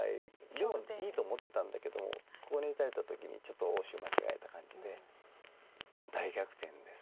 でもいいと思ってたんだけどもここに打たれた時にちょっと応手間違えた感じで大逆転です。